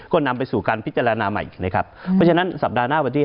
ก็นำไปสู่การพิจารณาใหม่อีกนะครับเพราะฉะนั้นสัปดาห์หน้าวันที่